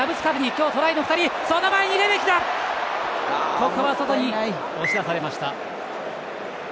ここは外に押し出されました。